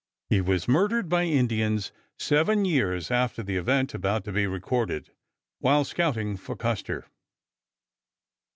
He was murdered by Indians seven years after the event about to be recorded, while scouting for Custer.